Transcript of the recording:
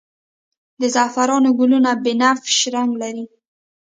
د زعفران ګلونه بنفش رنګ لري